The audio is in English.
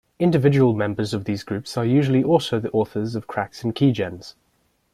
Individual members of these groups are usually also the authors of cracks and keygens.